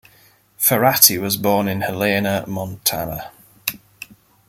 Ferratti was born in Helena, Montana.